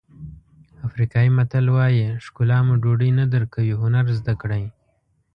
افریقایي متل وایي ښکلا مو ډوډۍ نه درکوي هنر زده کړئ.